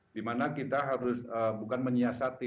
di mana kita harus bukan menyiasati